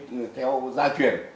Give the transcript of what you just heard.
các cụ lan theo gia truyền